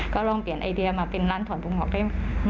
ก็ลองเปลี่ยนไอเดียมาเป็นร้านถอนผมงอกให้